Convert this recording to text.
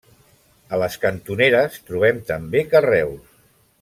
A les cantoneres trobem també carreus.